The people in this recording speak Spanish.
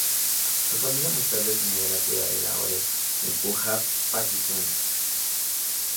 Su familia más tarde se mudó a la ciudad de Lahore en Punjab, Pakistán.